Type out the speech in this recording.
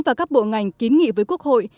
và các bộ ngành kín nghị với quốc hội